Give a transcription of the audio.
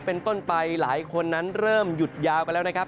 เป็นต้นไปหลายคนนั้นเริ่มหยุดยาวกันแล้วนะครับ